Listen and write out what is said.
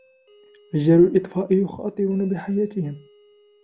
رجال الإطفاء يخاطرون بحياتهم.